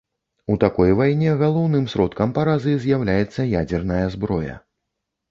У такой вайне галоўным сродкам паразы з'яўляецца ядзерная зброя.